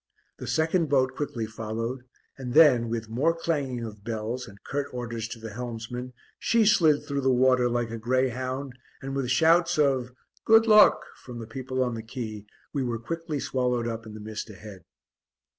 The second boat quickly followed, and then, with more clanging of bells and curt orders to the helmsman, she slid through the water like a greyhound, and, with shouts of "good luck!" from the people on the quay, we were quickly swallowed up in the mist ahead.